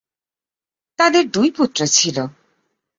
তাদের দুই পুত্র ছিল।